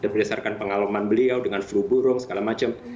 berdasarkan pengalaman beliau dengan flu burung segala macam